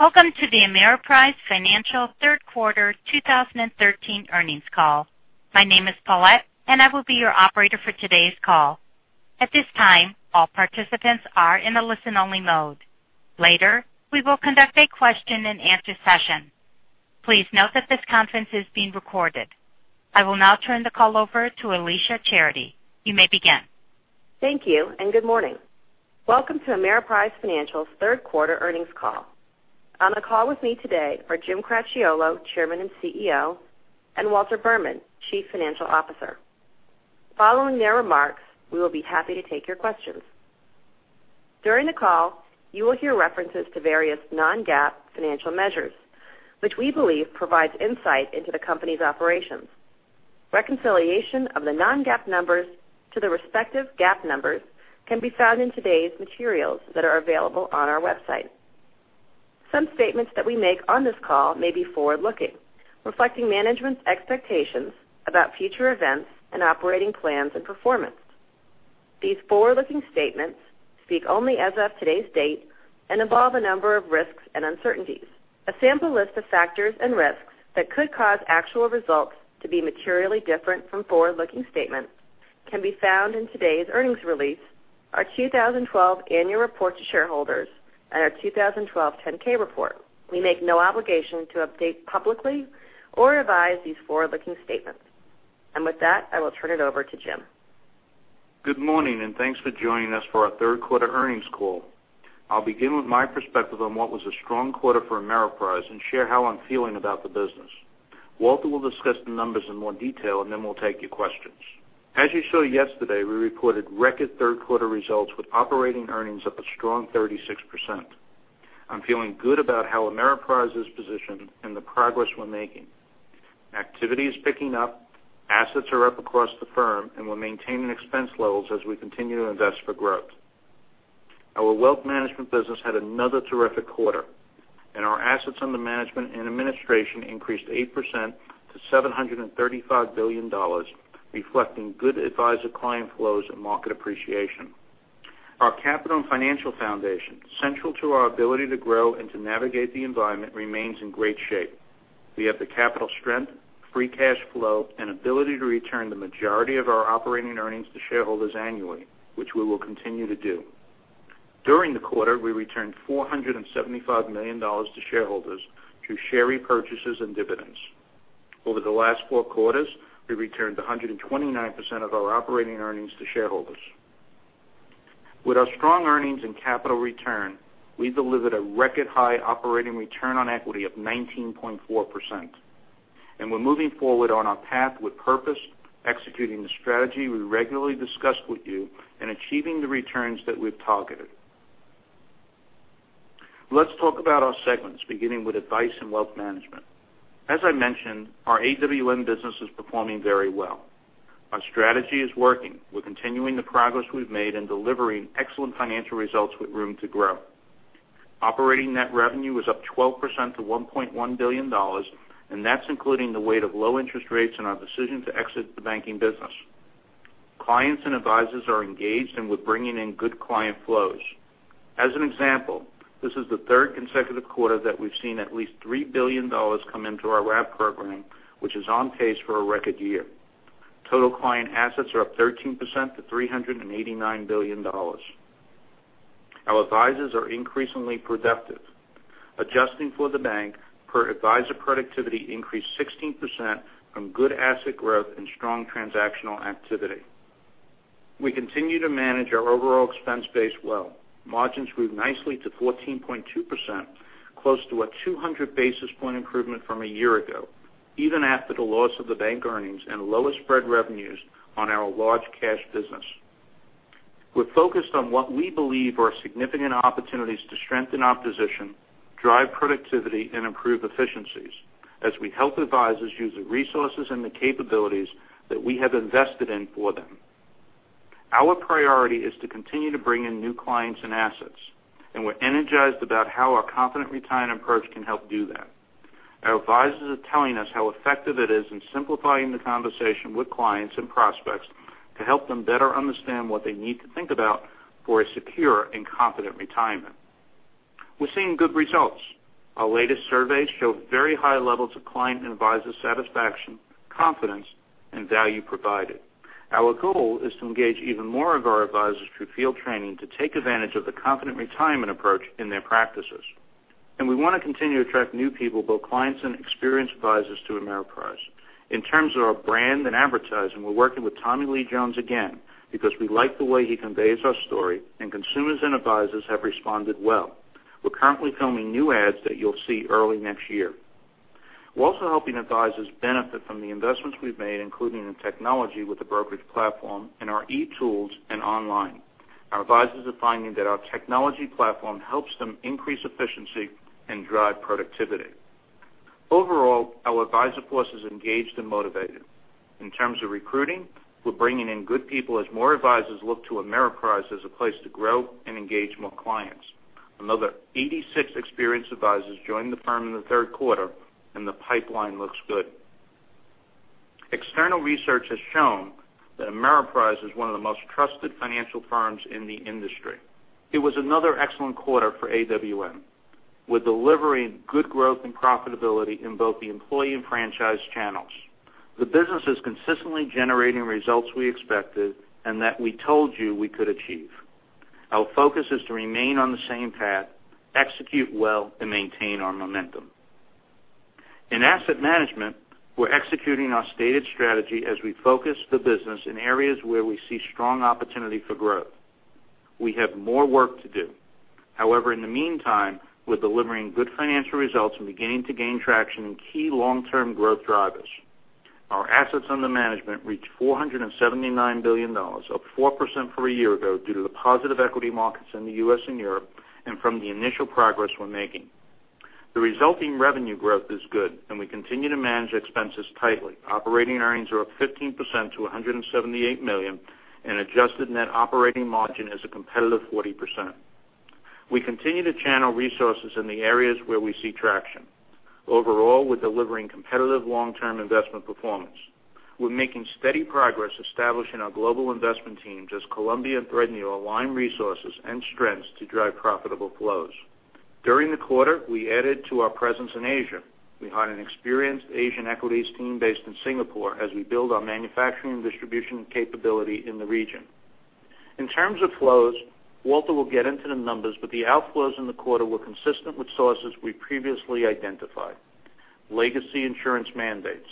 Welcome to the Ameriprise Financial third quarter 2013 earnings call. My name is Paulette, and I will be your operator for today's call. At this time, all participants are in the listen-only mode. Later, we will conduct a question and answer session. Please note that this conference is being recorded. I will now turn the call over to Alicia Charity. You may begin. Thank you. Good morning. Welcome to Ameriprise Financial's third quarter earnings call. On the call with me today are Jim Cracchiolo, Chairman and CEO, and Walter Berman, Chief Financial Officer. Following their remarks, we will be happy to take your questions. During the call, you will hear references to various non-GAAP financial measures, which we believe provides insight into the company's operations. Reconciliation of the non-GAAP numbers to the respective GAAP numbers can be found in today's materials that are available on our website. Some statements that we make on this call may be forward-looking, reflecting management's expectations about future events and operating plans and performance. These forward-looking statements speak only as of today's date and involve a number of risks and uncertainties. A sample list of factors and risks that could cause actual results to be materially different from forward-looking statements can be found in today's earnings release, our 2012 annual report to shareholders, and our 2012 10-K report. We make no obligation to update publicly or revise these forward-looking statements. With that, I will turn it over to Jim. Good morning. Thanks for joining us for our third quarter earnings call. I'll begin with my perspective on what was a strong quarter for Ameriprise and share how I'm feeling about the business. Walter will discuss the numbers in more detail. Then we'll take your questions. As you saw yesterday, we reported record third-quarter results with operating earnings up a strong 36%. I'm feeling good about how Ameriprise is positioned and the progress we're making. Activity is picking up, assets are up across the firm, and we're maintaining expense levels as we continue to invest for growth. Our wealth management business had another terrific quarter, and our assets under management and administration increased 8% to $735 billion, reflecting good advisor client flows and market appreciation. Our capital and financial foundation, central to our ability to grow and to navigate the environment, remains in great shape. We have the capital strength, free cash flow, and ability to return the majority of our operating earnings to shareholders annually, which we will continue to do. During the quarter, we returned $475 million to shareholders through share repurchases and dividends. Over the last four quarters, we returned 129% of our operating earnings to shareholders. With our strong earnings and capital return, we delivered a record-high operating return on equity of 19.4%. We're moving forward on our path with purpose, executing the strategy we regularly discussed with you and achieving the returns that we've targeted. Let's talk about our segments, beginning with Advice & Wealth Management. As I mentioned, our AWM business is performing very well. Our strategy is working. We're continuing the progress we've made and delivering excellent financial results with room to grow. Operating net revenue is up 12% to $1.1 billion. That's including the weight of low interest rates and our decision to exit the banking business. Clients and advisors are engaged. We're bringing in good client flows. As an example, this is the third consecutive quarter that we've seen at least $3 billion come into our wrap program, which is on pace for a record year. Total client assets are up 13% to $389 billion. Our advisors are increasingly productive. Adjusting for the bank, per advisor productivity increased 16% from good asset growth and strong transactional activity. We continue to manage our overall expense base well. Margins grew nicely to 14.2%, close to a 200-basis point improvement from a year ago, even after the loss of the bank earnings and lower spread revenues on our large cash business. We're focused on what we believe are significant opportunities to strengthen our position, drive productivity, and improve efficiencies as we help advisors use the resources and the capabilities that we have invested in for them. Our priority is to continue to bring in new clients and assets. We're energized about how our Confident Retirement approach can help do that. Our advisors are telling us how effective it is in simplifying the conversation with clients and prospects to help them better understand what they need to think about for a secure and confident retirement. We're seeing good results. Our latest surveys show very high levels of client and advisor satisfaction, confidence, and value provided. Our goal is to engage even more of our advisors through field training to take advantage of the Confident Retirement approach in their practices. We want to continue to attract new people, both clients and experienced advisors, to Ameriprise. In terms of our brand and advertising, we're working with Tommy Lee Jones again because we like the way he conveys our story. Consumers and advisors have responded well. We're currently filming new ads that you'll see early next year. We're also helping advisors benefit from the investments we've made, including in technology with the brokerage platform and our e-tools and online. Our advisors are finding that our technology platform helps them increase efficiency and drive productivity. Overall, our advisor force is engaged and motivated. In terms of recruiting, we're bringing in good people as more advisors look to Ameriprise as a place to grow and engage more clients. Another 86 experienced advisors joined the firm in the third quarter. The pipeline looks good. External research has shown that Ameriprise is one of the most trusted financial firms in the industry. It was another excellent quarter for AWM, with delivering good growth and profitability in both the employee and franchise channels. The business is consistently generating results we expected and that we told you we could achieve. Our focus is to remain on the same path, execute well, and maintain our momentum. In asset management, we're executing our stated strategy as we focus the business in areas where we see strong opportunity for growth. We have more work to do. However, in the meantime, we're delivering good financial results and beginning to gain traction in key long-term growth drivers. Our assets under management reached $479 billion, up 4% from a year ago, due to the positive equity markets in the U.S. and Europe and from the initial progress we're making. The resulting revenue growth is good. We continue to manage expenses tightly. Operating earnings are up 15% to $178 million and adjusted net operating margin is a competitive 40%. We continue to channel resources in the areas where we see traction. Overall, we're delivering competitive long-term investment performance. We're making steady progress establishing our global investment teams as Columbia and Threadneedle align resources and strengths to drive profitable flows. During the quarter, we added to our presence in Asia. We hired an experienced Asian equities team based in Singapore as we build our manufacturing and distribution capability in the region. In terms of flows, Walter will get into the numbers, but the outflows in the quarter were consistent with sources we previously identified. Legacy insurance mandates,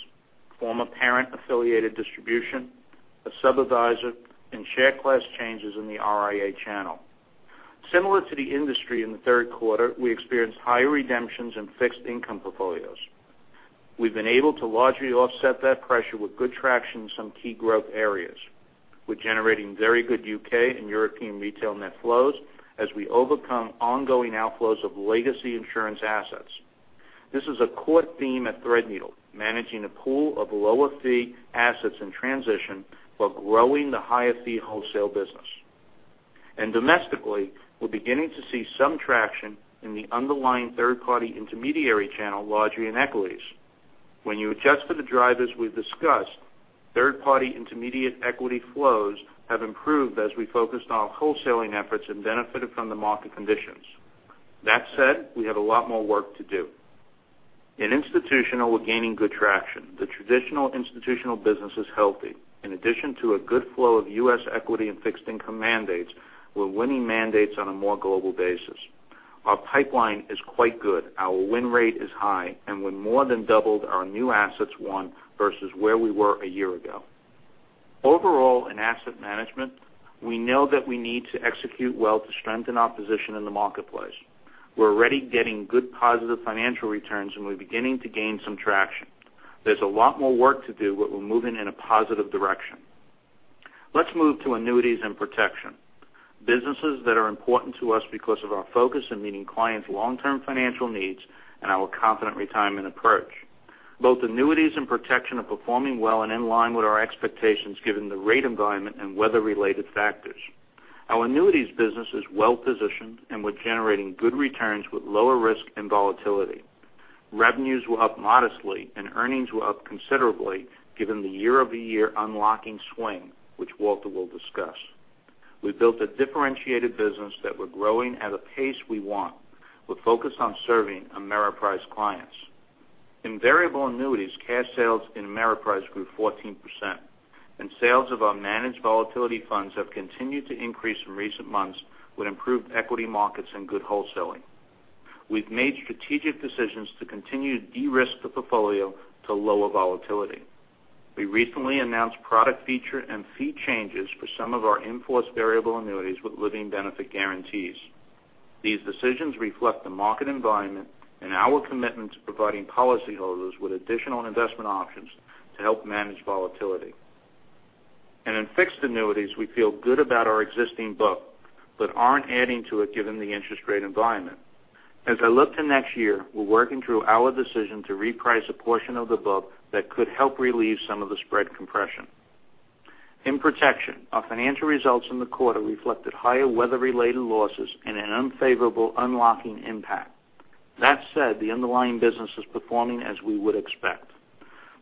former parent-affiliated distribution, a sub-adviser, and share class changes in the RIA channel. Similar to the industry in the third quarter, we experienced higher redemptions in fixed income portfolios. We've been able to largely offset that pressure with good traction in some key growth areas. We're generating very good U.K. and European retail net flows as we overcome ongoing outflows of legacy insurance assets. This is a core theme at Threadneedle, managing a pool of lower-fee assets in transition while growing the higher-fee wholesale business. Domestically, we're beginning to see some traction in the underlying third-party intermediary channel, largely in equities. When you adjust for the drivers we've discussed, third-party intermediate equity flows have improved as we focused on wholesaling efforts and benefited from the market conditions. That said, we have a lot more work to do. In institutional, we're gaining good traction. The traditional institutional business is healthy. In addition to a good flow of U.S. equity and fixed income mandates, we're winning mandates on a more global basis. Our pipeline is quite good. We more than doubled our new assets won versus where we were a year ago. Overall, in asset management, we know that we need to execute well to strengthen our position in the marketplace. We're already getting good positive financial returns. We're beginning to gain some traction. There's a lot more work to do, but we're moving in a positive direction. Let's move to annuities and protection, businesses that are important to us because of our focus in meeting clients' long-term financial needs and our Confident Retirement approach. Both annuities and protection are performing well and in line with our expectations, given the rate environment and weather-related factors. Our annuities business is well-positioned, we're generating good returns with lower risk and volatility. Revenues were up modestly, earnings were up considerably given the year-over-year unlocking swing, which Walter will discuss. We've built a differentiated business that we're growing at a pace we want. We're focused on serving Ameriprise clients. In variable annuities, cash sales in Ameriprise grew 14%, sales of our managed volatility funds have continued to increase in recent months with improved equity markets and good wholesaling. We've made strategic decisions to continue to de-risk the portfolio to lower volatility. We recently announced product feature and fee changes for some of our in-force variable annuities with living benefit guarantees. These decisions reflect the market environment and our commitment to providing policyholders with additional investment options to help manage volatility. In fixed annuities, we feel good about our existing book but aren't adding to it given the interest rate environment. As I look to next year, we're working through our decision to reprice a portion of the book that could help relieve some of the spread compression. In protection, our financial results in the quarter reflected higher weather-related losses and an unfavorable unlocking impact. That said, the underlying business is performing as we would expect.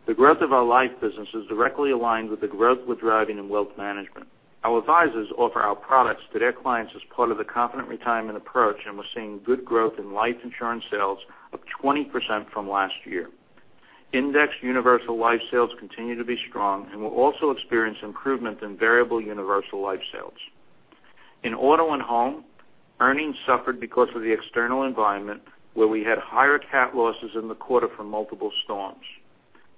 The growth of our life business is directly aligned with the growth we're driving in wealth management. Our advisors offer our products to their clients as part of the Confident Retirement approach, we're seeing good growth in life insurance sales, up 20% from last year. Indexed universal life sales continue to be strong, we're also experiencing improvement in variable universal life sales. In auto and home, earnings suffered because of the external environment, where we had higher cat losses in the quarter from multiple storms.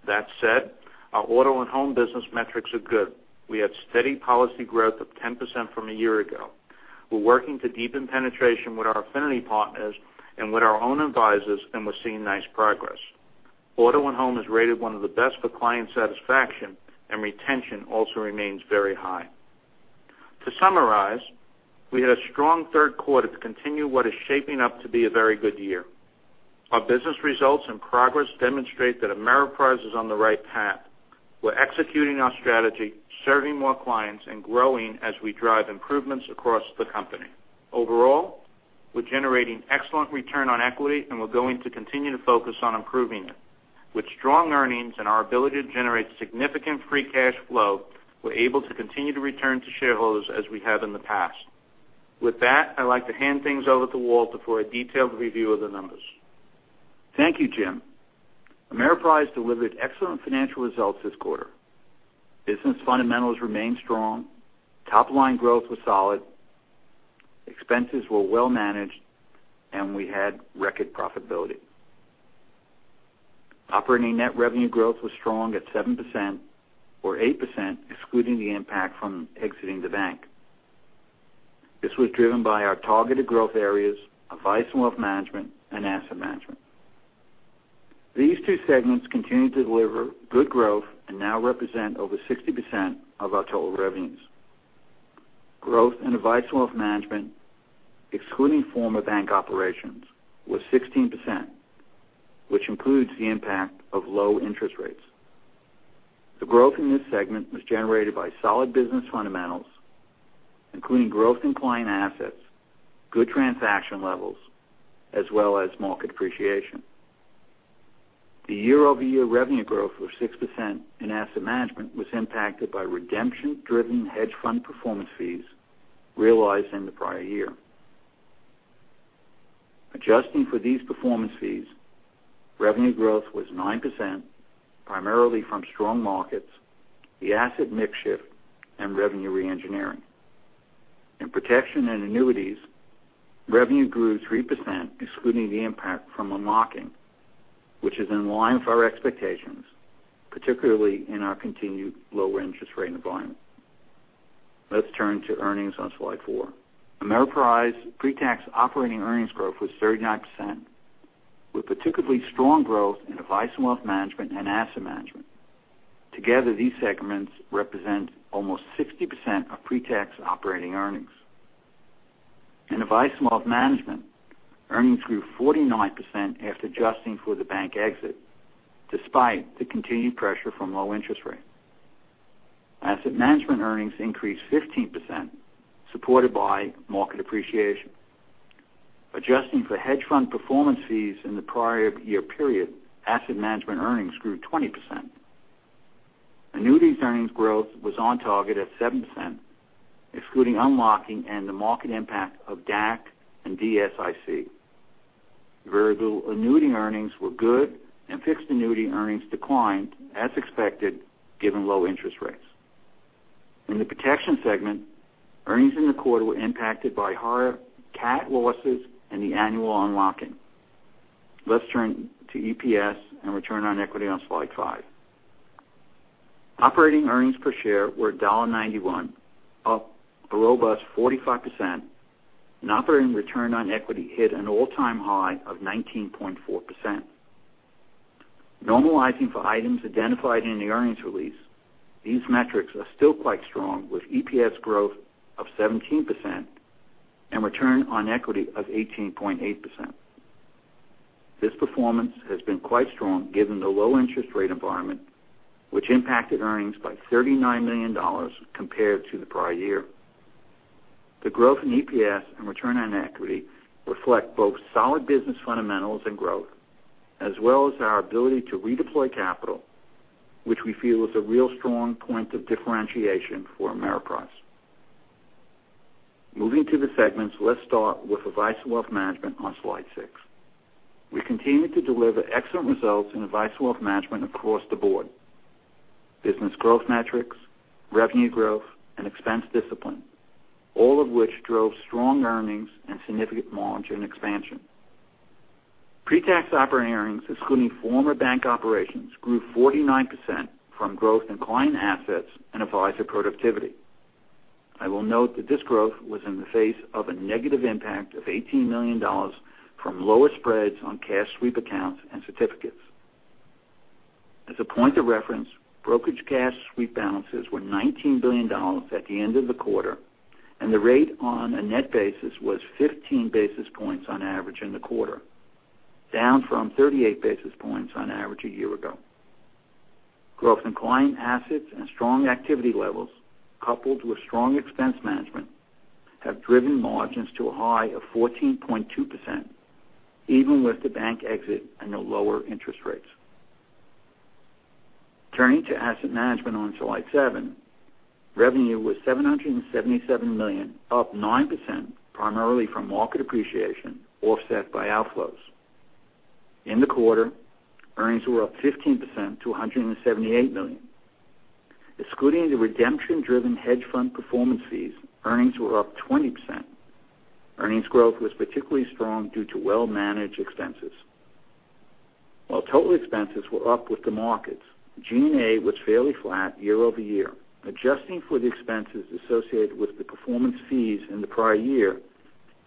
That said, our auto and home business metrics are good. We had steady policy growth of 10% from a year ago. We're working to deepen penetration with our affinity partners and with our own advisors, we're seeing nice progress. Auto and home is rated one of the best for client satisfaction, retention also remains very high. To summarize, we had a strong third quarter to continue what is shaping up to be a very good year. Our business results and progress demonstrate that Ameriprise is on the right path. We're executing our strategy, serving more clients, and growing as we drive improvements across the company. Overall We're generating excellent operating return on equity, we're going to continue to focus on improving it. With strong earnings and our ability to generate significant free cash flow, we're able to continue to return to shareholders as we have in the past. With that, I'd like to hand things over to Walter for a detailed review of the numbers. Thank you, Jim. Ameriprise delivered excellent financial results this quarter. Business fundamentals remained strong, top-line growth was solid, expenses were well managed, and we had record profitability. Operating net revenue growth was strong at 7%, or 8% excluding the impact from exiting the bank. This was driven by our targeted growth areas, Advice & Wealth Management and Asset Management. These two segments continue to deliver good growth and now represent over 60% of our total revenues. Growth in Advice & Wealth Management, excluding former bank operations, was 16%, which includes the impact of low interest rates. The growth in this segment was generated by solid business fundamentals, including growth in client assets, good transaction levels, as well as market appreciation. The year-over-year revenue growth was 6%, and Asset Management was impacted by redemption-driven hedge fund performance fees realized in the prior year. Adjusting for these performance fees, revenue growth was 9%, primarily from strong markets, the asset mix shift, and revenue re-engineering. In Protection and Annuities, revenue grew 3%, excluding the impact from unlocking, which is in line with our expectations, particularly in our continued lower interest rate environment. Let's turn to earnings on slide four. Ameriprise pre-tax operating earnings growth was 39%, with particularly strong growth in Advice & Wealth Management and Asset Management. Together, these segments represent almost 60% of pre-tax operating earnings. In Advice & Wealth Management, earnings grew 49% after adjusting for the bank exit, despite the continued pressure from low interest rates. Asset Management earnings increased 15%, supported by market appreciation. Adjusting for hedge fund performance fees in the prior year period, Asset Management earnings grew 20%. Annuities earnings growth was on target at 7%, excluding unlocking and the market impact of DAC and DSIC. Variable annuity earnings were good, and fixed annuity earnings declined as expected, given low interest rates. In the Protection segment, earnings in the quarter were impacted by higher cat losses and the annual unlocking. Let's turn to EPS and return on equity on slide five. Operating earnings per share were $1.91, up a robust 45%, and operating return on equity hit an all-time high of 19.4%. Normalizing for items identified in the earnings release, these metrics are still quite strong, with EPS growth of 17% and return on equity of 18.8%. This performance has been quite strong given the low interest rate environment, which impacted earnings by $39 million compared to the prior year. The growth in EPS and return on equity reflect both solid business fundamentals and growth, as well as our ability to redeploy capital, which we feel is a real strong point of differentiation for Ameriprise. Moving to the segments, let's start with Advice & Wealth Management on slide six. We continued to deliver excellent results in Advice & Wealth Management across the board. Business growth metrics, revenue growth, and expense discipline, all of which drove strong earnings and significant margin expansion. Pre-tax operating earnings, excluding former bank operations, grew 49% from growth in client assets and advisor productivity. I will note that this growth was in the face of a negative impact of $18 million from lower spreads on cash sweep accounts and certificates. As a point of reference, brokerage cash sweep balances were $19 billion at the end of the quarter, and the rate on a net basis was 15 basis points on average in the quarter, down from 38 basis points on average a year ago. Growth in client assets and strong activity levels, coupled with strong expense management, have driven margins to a high of 14.2%, even with the bank exit and the lower interest rates. Turning to asset management on slide seven, revenue was $777 million, up 9%, primarily from market appreciation, offset by outflows. In the quarter, earnings were up 15% to $178 million. Excluding the redemption-driven hedge fund performance fees, earnings were up 20%. Earnings growth was particularly strong due to well-managed expenses. While total expenses were up with the markets, G&A was fairly flat year-over-year. Adjusting for the expenses associated with the performance fees in the prior year,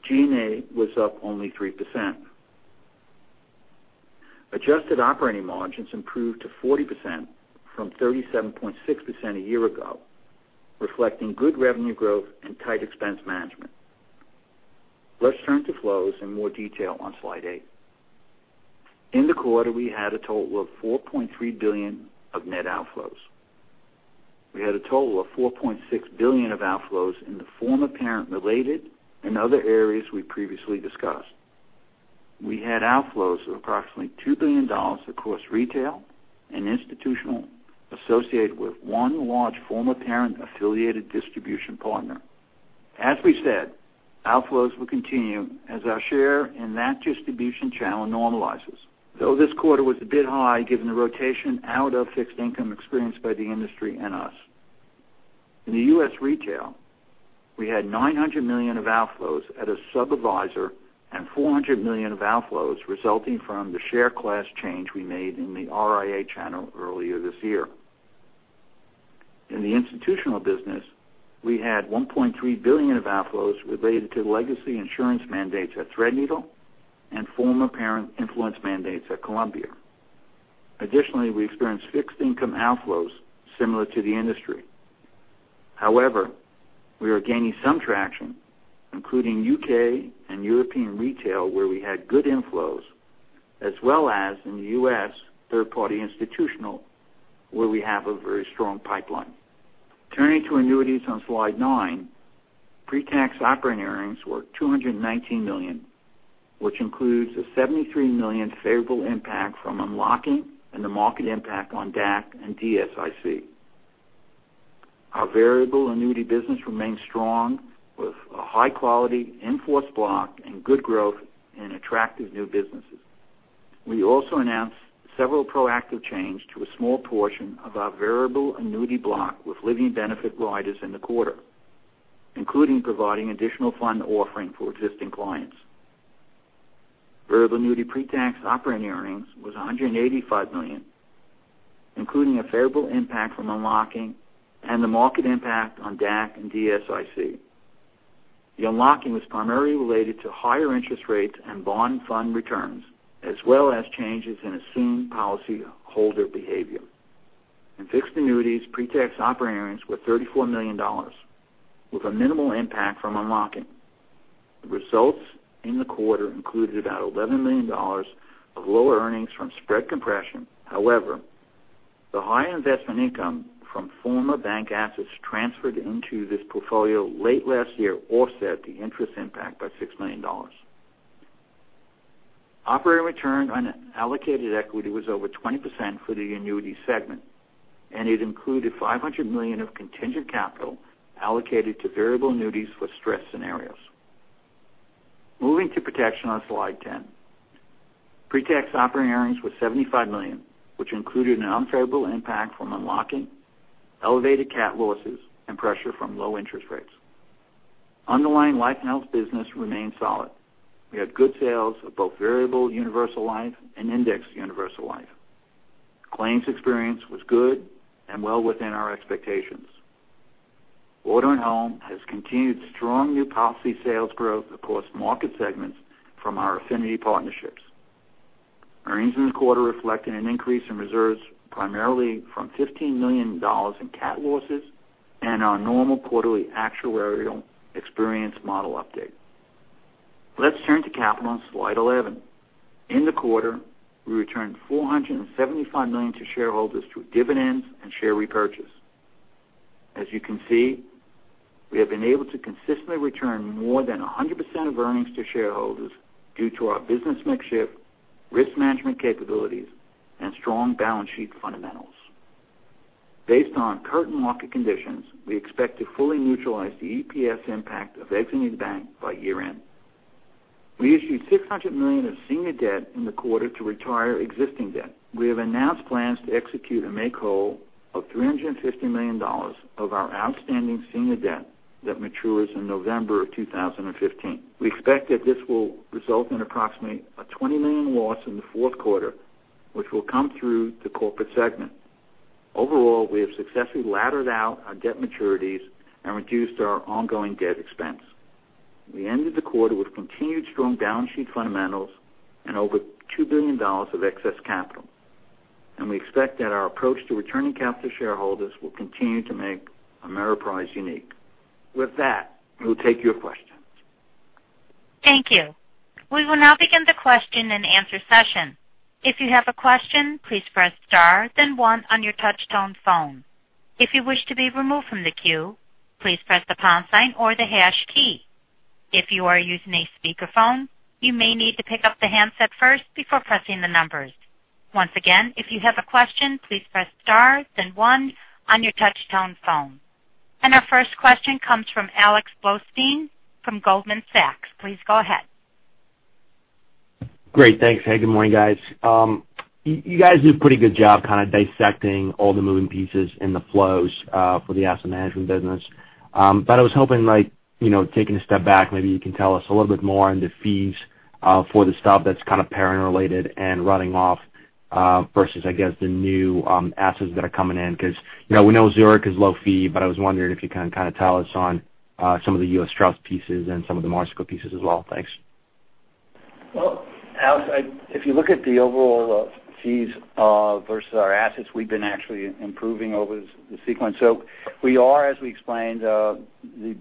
G&A was up only 3%. Adjusted operating margins improved to 40% from 37.6% a year ago, reflecting good revenue growth and tight expense management. Let's turn to flows in more detail on slide eight. In the quarter, we had a total of $4.3 billion of net outflows. We had a total of $4.6 billion of outflows in the former parent related and other areas we previously discussed. We had outflows of approximately $2 billion across retail and institutional associated with one large former parent-affiliated distribution partner. As we said, outflows will continue as our share in that distribution channel normalizes. Though this quarter was a bit high, given the rotation out of fixed income experienced by the industry and us. In the U.S. retail, we had $900 million of outflows at a sub-adviser and $400 million of outflows resulting from the share class change we made in the RIA channel earlier this year. In the institutional business, we had $1.3 billion of outflows related to legacy insurance mandates at Threadneedle and former parent influence mandates at Columbia. Additionally, we experienced fixed income outflows similar to the industry. However, we are gaining some traction, including U.K. and European retail, where we had good inflows, as well as in the U.S. third-party institutional, where we have a very strong pipeline. Turning to annuities on slide nine, pre-tax operating earnings were $219 million, which includes a $73 million favorable impact from unlocking and the market impact on DAC and DSIC. Our variable annuity business remains strong with a high-quality in-force block and good growth in attractive new businesses. We also announced several proactive change to a small portion of our variable annuity block with living benefit riders in the quarter, including providing additional fund offering for existing clients. Variable annuity pre-tax operating earnings was $185 million, including a favorable impact from unlocking and the market impact on DAC and DSIC. The unlocking was primarily related to higher interest rates and bond fund returns, as well as changes in assumed policy holder behavior. In fixed annuities, pre-tax operating earnings were $34 million with a minimal impact from unlocking. The results in the quarter included about $11 million of lower earnings from spread compression. However, the high investment income from former bank assets transferred into this portfolio late last year offset the interest impact by $6 million. Operating return on allocated equity was over 20% for the annuity segment, and it included $500 million of contingent capital allocated to variable annuities for stress scenarios. Moving to protection on slide 10. Pre-tax operating earnings was $75 million, which included an unfavorable impact from unlocking elevated cat losses and pressure from low interest rates. Underlying life and health business remained solid. We had good sales of both variable universal life and indexed universal life. Claims experience was good and well within our expectations. Auto and Home has continued strong new policy sales growth across market segments from our affinity partnerships. Earnings in the quarter reflected an increase in reserves, primarily from $15 million in cat losses and our normal quarterly actuarial experience model update. Let's turn to capital on slide 11. In the quarter, we returned $475 million to shareholders through dividends and share repurchase. As you can see, we have been able to consistently return more than 100% of earnings to shareholders due to our business mix shift, risk management capabilities, and strong balance sheet fundamentals. Based on current market conditions, we expect to fully neutralize the EPS impact of exiting the bank by year-end. We issued $600 million of senior debt in the quarter to retire existing debt. We have announced plans to execute a make whole of $350 million of our outstanding senior debt that matures in November of 2015. We expect that this will result in approximately a $20 million loss in the fourth quarter, which will come through the corporate segment. Overall, we have successfully laddered out our debt maturities and reduced our ongoing debt expense. We ended the quarter with continued strong balance sheet fundamentals and over $2 billion of excess capital. We expect that our approach to returning capital to shareholders will continue to make Ameriprise unique. With that, we'll take your questions. Thank you. We will now begin the question-and-answer session. If you have a question, please press star then one on your touch-tone phone. If you wish to be removed from the queue, please press the pound sign or the hash key. If you are using a speakerphone, you may need to pick up the handset first before pressing the numbers. Once again, if you have a question, please press star then one on your touch-tone phone. Our first question comes from Alex Blostein from Goldman Sachs. Please go ahead. Great. Thanks. Hey, good morning, guys. You guys do a pretty good job dissecting all the moving pieces and the flows for the asset management business. I was hoping, taking a step back, maybe you can tell us a little bit more on the fees for the stuff that's parent related and running off versus, I guess, the new assets that are coming in. Because we know Zurich is low fee, but I was wondering if you can tell us on some of the U.S. Trust pieces and some of the Marshfield pieces as well. Thanks. Well, Alex, if you look at the overall fees versus our assets, we've been actually improving over the sequence. We are, as we explained,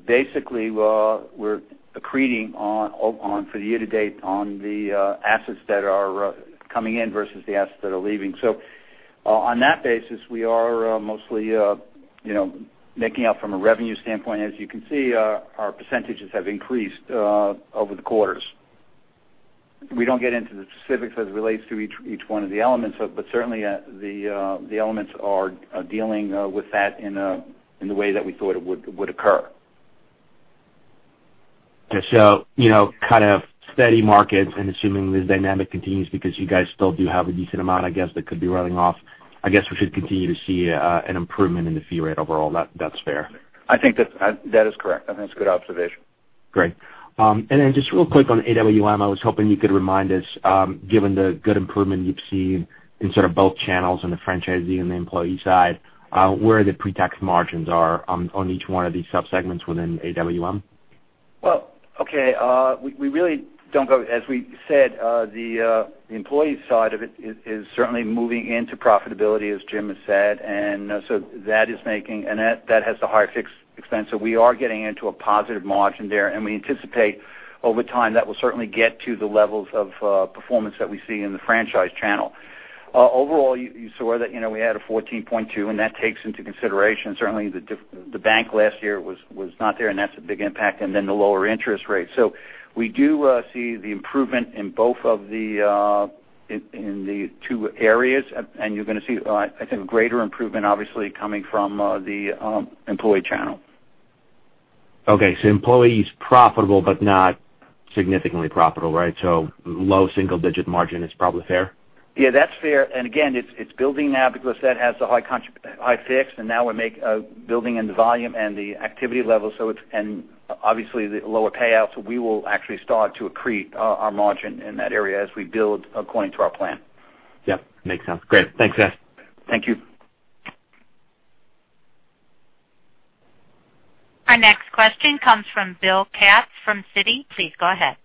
basically we're accreting for the year to date on the assets that are coming in versus the assets that are leaving. On that basis, we are mostly making up from a revenue standpoint. As you can see, our percentages have increased over the quarters. We don't get into the specifics as it relates to each one of the elements, but certainly, the elements are dealing with that in the way that we thought it would occur. Okay. Kind of steady markets and assuming the dynamic continues because you guys still do have a decent amount, I guess, that could be running off. I guess we should continue to see an improvement in the fee rate overall. That's fair. I think that is correct. I think that's a good observation. Great. Just real quick on AWM, I was hoping you could remind us, given the good improvement you've seen in sort of both channels in the franchisee and the employee side, where the pre-tax margins are on each one of these sub-segments within AWM. Well, okay. We really don't go, as we said, the employee side of it is certainly moving into profitability, as Jim has said. That is making, and that has the higher fixed expense. We are getting into a positive margin there, and we anticipate over time, that will certainly get to the levels of performance that we see in the franchise channel. Overall, you saw that we had a 14.2%, and that takes into consideration certainly the bank last year was not there, and that's a big impact, and then the lower interest rates. We do see the improvement in both of the two areas, and you're going to see, I think, a greater improvement, obviously, coming from the employee channel. Okay. Employees profitable but not significantly profitable, right? Low single-digit margin is probably fair. Yeah, that's fair. It's building now because that has the high fixed, and now we make building in the volume and the activity level, and obviously the lower payouts. We will actually start to accrete our margin in that area as we build according to our plan. Yep, makes sense. Great. Thanks. Thank you. Our next question comes from Bill Katz from Citi. Please go ahead.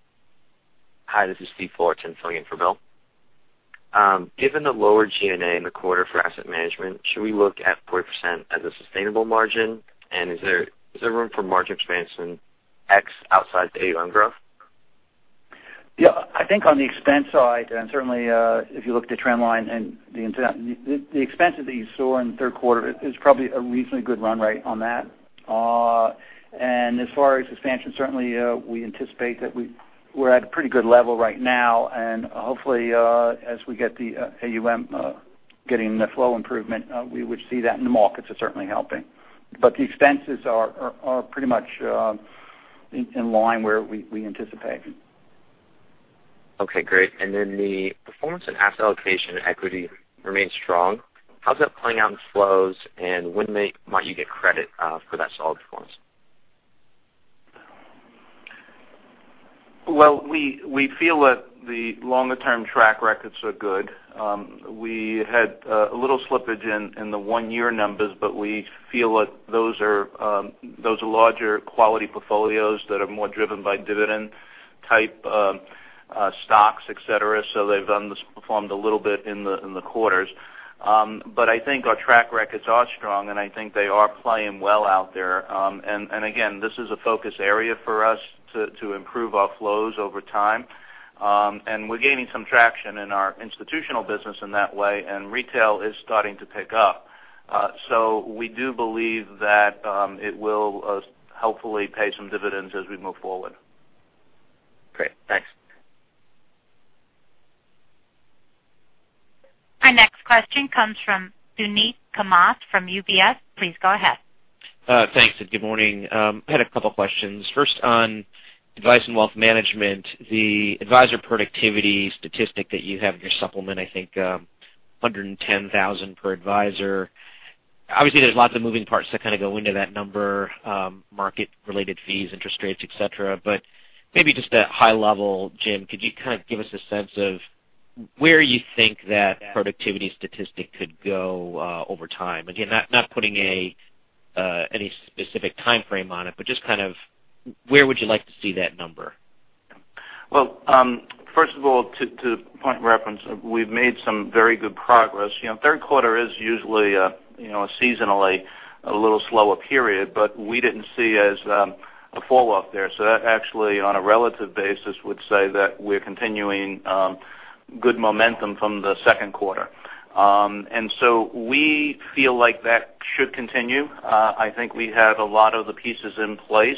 Hi, this is Steve Katz filling in for Bill. Given the lower G&A in the quarter for asset management, should we look at 40% as a sustainable margin? Is there room for margin expansion ex outside the AUM growth? Yeah. I think on the expense side, certainly, if you look at the trend line and the internal, the expense that you saw in the third quarter is probably a reasonably good run rate on that. As far as expansion, certainly, we anticipate that we're at a pretty good level right now, and hopefully, as we get the AUM getting the flow improvement, we would see that in the markets. It's certainly helping. The expenses are pretty much in line where we anticipate. Okay, great. The performance in asset allocation and equity remains strong. How's that playing out in flows, and when might you get credit for that solid performance? Well, we feel that the longer term track records are good. We had a little slippage in the one-year numbers, but we feel that those are larger quality portfolios that are more driven by dividend type stocks, et cetera. They've underperformed a little bit in the quarters. I think our track records are strong, and I think they are playing well out there. Again, this is a focus area for us to improve our flows over time. We're gaining some traction in our institutional business in that way, and retail is starting to pick up. We do believe that it will hopefully pay some dividends as we move forward. Great. Thanks. Our next question comes from Suneet Kamath from UBS. Please go ahead. Thanks. Good morning. I had a couple questions. First, on Advice & Wealth Management, the advisor productivity statistic that you have in your supplement, I think, $110,000 per advisor. Obviously, there's lots of moving parts that kind of go into that number, market related fees, interest rates, et cetera. Maybe just at high level, Jim, could you kind of give us a sense of where you think that productivity statistic could go over time? Again, not putting any specific timeframe on it, but just kind of where would you like to see that number? Well, first of all, to point of reference, we've made some very good progress. Third Quarter is usually seasonally a little slower period, but we didn't see as a fall off there. That actually on a relative basis would say that we're continuing good momentum from the Second Quarter. We feel like that should continue. I think we have a lot of the pieces in place.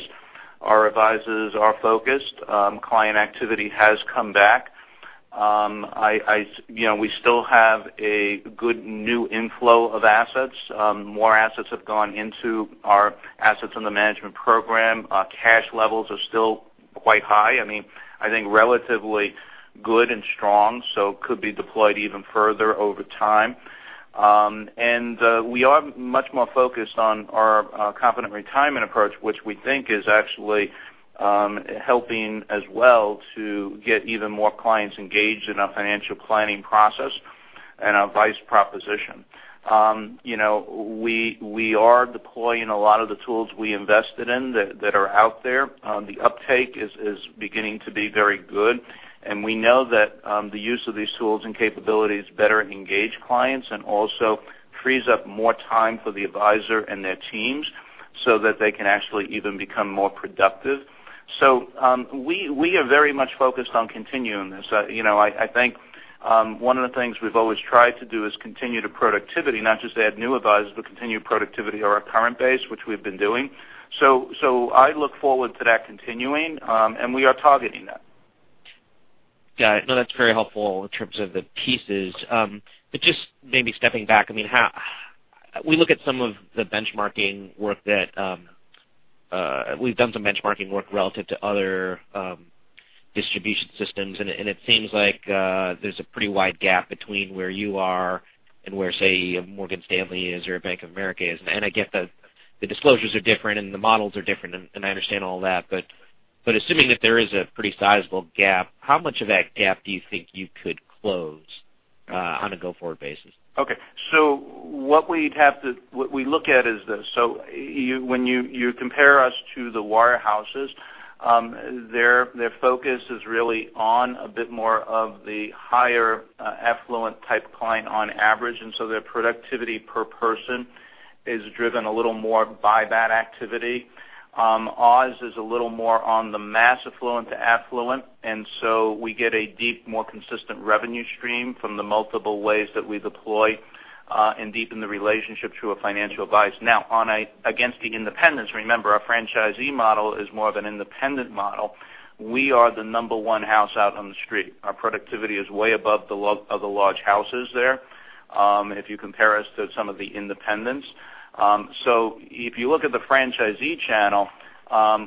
Our advisors are focused. Client activity has come back. We still have a good new inflow of assets. More assets have gone into our assets under management program. Our cash levels are still quite high. I think relatively good and strong, so could be deployed even further over time. We are much more focused on our Confident Retirement approach, which we think is actually helping as well to get even more clients engaged in our financial planning process and our advice proposition. We are deploying a lot of the tools we invested in that are out there. The uptake is beginning to be very good, and we know that the use of these tools and capabilities better engage clients and also. Frees up more time for the advisor and their teams so that they can actually even become more productive. We are very much focused on continuing this. I think one of the things we've always tried to do is continue the productivity, not just add new advisors, but continue productivity of our current base, which we've been doing. I look forward to that continuing, and we are targeting that. Got it. That's very helpful in terms of the pieces. Just maybe stepping back. We've done some benchmarking work relative to other distribution systems, and it seems like there's a pretty wide gap between where you are and where, say, Morgan Stanley is or Bank of America is. I get that the disclosures are different, and the models are different, and I understand all that. Assuming that there is a pretty sizable gap, how much of that gap do you think you could close on a go-forward basis? What we look at is this. When you compare us to the wirehouses, their focus is really on a bit more of the higher affluent type client on average, and their productivity per person is driven a little more by that activity. Ours is a little more on the mass affluent to affluent, and we get a deep, more consistent revenue stream from the multiple ways that we deploy and deepen the relationship through a financial advisor. Against the independents, remember, our franchisee model is more of an independent model. We are the number 1 house out on the street. Our productivity is way above the large houses there, if you compare us to some of the independents. If you look at the franchisee channel,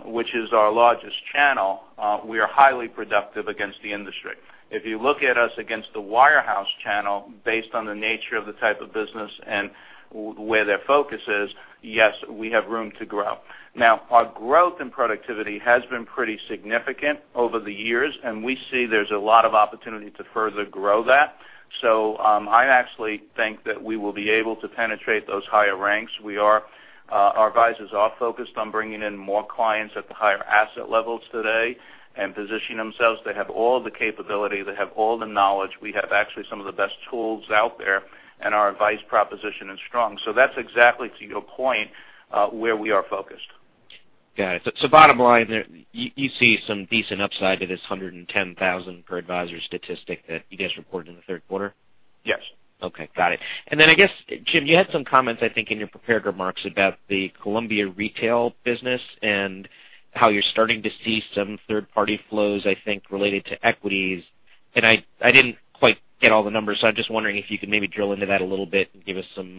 which is our largest channel, we are highly productive against the industry. If you look at us against the wirehouse channel, based on the nature of the type of business and where their focus is, yes, we have room to grow. Our growth in productivity has been pretty significant over the years, and we see there's a lot of opportunity to further grow that. I actually think that we will be able to penetrate those higher ranks. Our advisors are focused on bringing in more clients at the higher asset levels today and positioning themselves. They have all the capability. They have all the knowledge. We have actually some of the best tools out there, and our advice proposition is strong. That's exactly, to your point, where we are focused. Got it. Bottom line there, you see some decent upside to this 110,000 per advisor statistic that you guys reported in the third quarter? Yes. Okay. Got it. Then, I guess, Jim, you had some comments, I think, in your prepared remarks about the Columbia retail business and how you're starting to see some third-party flows, I think, related to equities. I didn't quite get all the numbers. I'm just wondering if you could maybe drill into that a little bit and give us some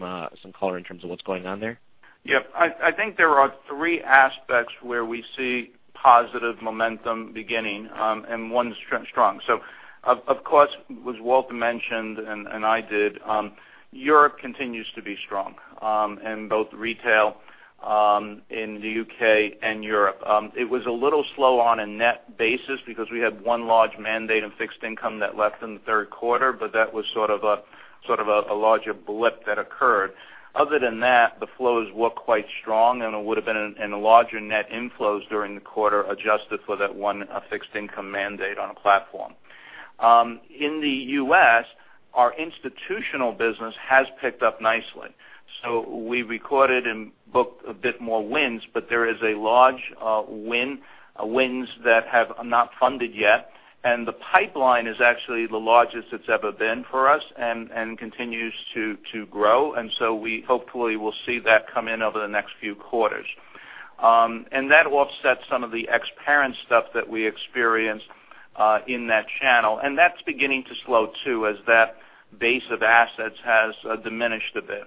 color in terms of what's going on there. Yeah. I think there are three aspects where we see positive momentum beginning, and one is strong. Of course, as Walter mentioned and I did, Europe continues to be strong in both retail in the U.K. and Europe. It was a little slow on a net basis because we had one large mandate in fixed income that left in the third quarter, but that was sort of a larger blip that occurred. Other than that, the flows were quite strong, and it would've been in larger net inflows during the quarter, adjusted for that one fixed income mandate on a platform. In the U.S., our institutional business has picked up nicely. We recorded and booked a bit more wins, but there is a large wins that have not funded yet. The pipeline is actually the largest it's ever been for us and continues to grow. We hopefully will see that come in over the next few quarters. That offsets some of the ex-parent stuff that we experienced in that channel. That's beginning to slow too, as that base of assets has diminished a bit.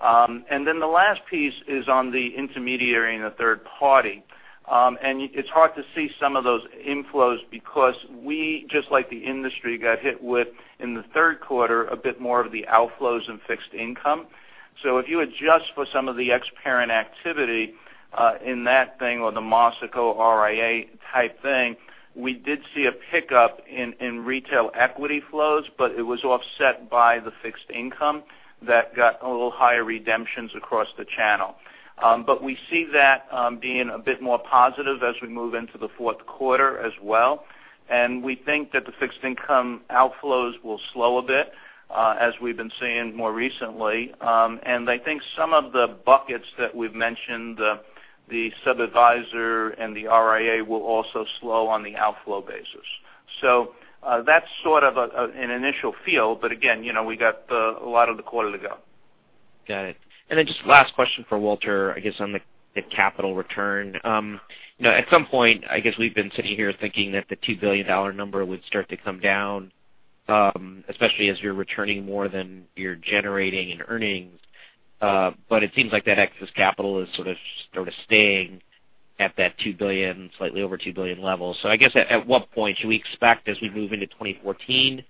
The last piece is on the intermediary and the third party. It's hard to see some of those inflows because we, just like the industry, got hit with, in the third quarter, a bit more of the outflows in fixed income. If you adjust for some of the ex-parent activity in that thing or the MFS RIA type thing, we did see a pickup in retail equity flows, it was offset by the fixed income that got a little higher redemptions across the channel. We see that being a bit more positive as we move into the fourth quarter as well, and we think that the fixed income outflows will slow a bit, as we've been seeing more recently. I think some of the buckets that we've mentioned, the sub-adviser and the RIA, will also slow on the outflow basis. That's sort of an initial feel, but again, we got a lot of the quarter to go. Got it. Then just last question for Walter, I guess, on the capital return. At some point, I guess we've been sitting here thinking that the $2 billion number would start to come down, especially as you're returning more than you're generating in earnings. It seems like that excess capital is sort of staying at that slightly over $2 billion level. I guess at what point should we expect as we move into 2014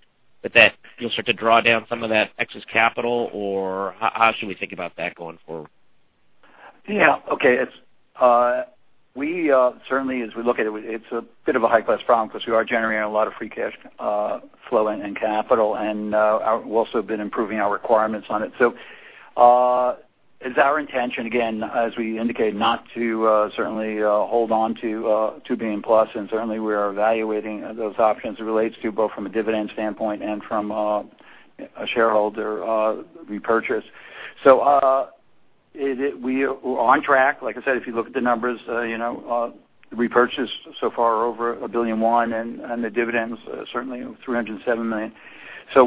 that you'll start to draw down some of that excess capital, or how should we think about that going forward? Okay. We certainly, as we look at it's a bit of a high-class problem because we are generating a lot of free cash flow and capital, and we've also been improving our requirements on it. It's our intention, again, as we indicate, not to certainly hold on to $2 billion plus, and certainly we are evaluating those options. It relates to both from a dividend standpoint and from a shareholder repurchase. We're on track. Like I said, if you look at the numbers, repurchase so far over $1.1 billion, and the dividends certainly $307 million.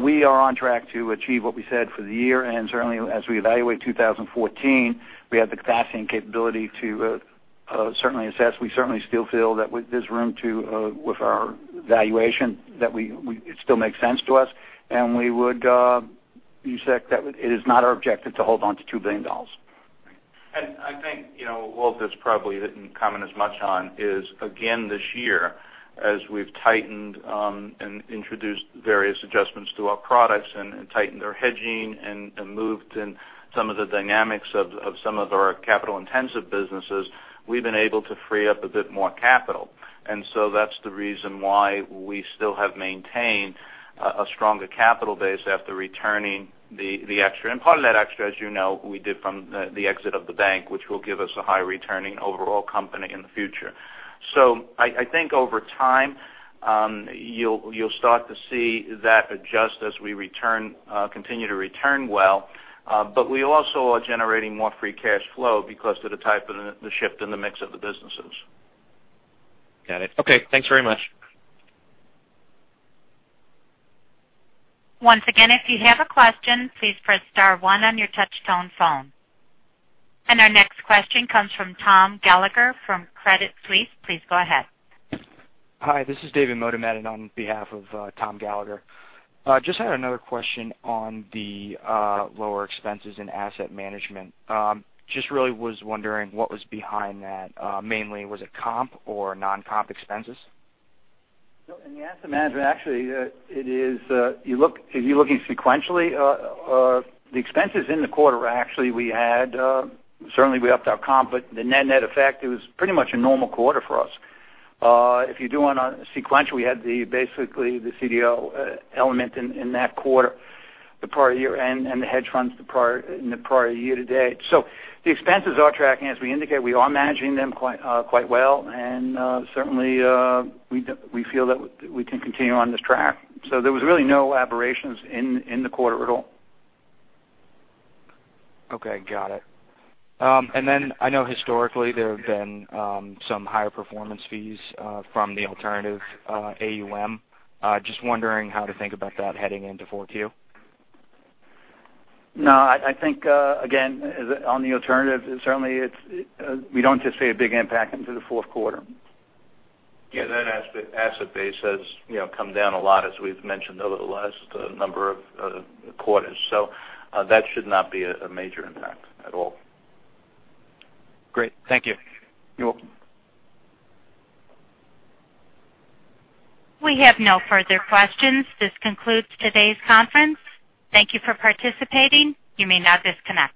We are on track to achieve what we said for the year. Certainly as we evaluate 2014, we have the capacity and capability to certainly assess. We certainly still feel that with this room to, with our valuation, that it still makes sense to us. You said that it is not our objective to hold on to $2 billion. I think Walter's probably didn't comment as much on is again this year as we've tightened and introduced various adjustments to our products and tightened our hedging and moved in some of the dynamics of some of our capital intensive businesses, we've been able to free up a bit more capital. That's the reason why we still have maintained a stronger capital base after returning the extra. Part of that extra, as you know, we did from the exit of the bank, which will give us a high returning overall company in the future. I think over time, you'll start to see that adjust as we continue to return well. We also are generating more free cash flow because of the type of the shift in the mix of the businesses. Got it. Okay, thanks very much. Once again, if you have a question, please press star one on your touch tone phone. Our next question comes from Tom Gallagher from Credit Suisse. Please go ahead. Hi, this is David Motemaden on behalf of Tom Gallagher. Just had another question on the lower expenses in asset management. Just really was wondering what was behind that. Mainly was it comp or non-comp expenses? In the asset management, actually, if you're looking sequentially, the expenses in the quarter were actually certainly we upped our comp, but the net effect, it was pretty much a normal quarter for us. If you do want sequential, we had basically the CDL element in that quarter, the prior year end, and the hedge funds in the prior year to date. The expenses are tracking as we indicate. We are managing them quite well. Certainly, we feel that we can continue on this track. There was really no aberrations in the quarter at all. Okay. Got it. I know historically there have been some higher performance fees from the alternative AUM. Just wondering how to think about that heading into four Q. No, I think, again, on the alternative, certainly we don't anticipate a big impact into the fourth quarter. Yeah. That asset base has come down a lot as we've mentioned over the last number of quarters. That should not be a major impact at all. Great. Thank you. You're welcome. We have no further questions. This concludes today's conference. Thank you for participating. You may now disconnect.